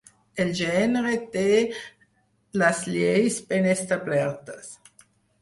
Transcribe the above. El gènere té les lleis ben establertes.